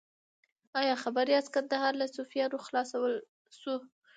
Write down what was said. ایا خبر یاست کندهار له صفویانو خلاصول شو؟